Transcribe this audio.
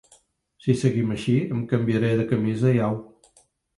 Si seguim així em canviaré de camisa i au.